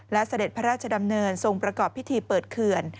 และเสด็จพระราชดำเนินทรงประกอบพิธีเปิดเขื่อน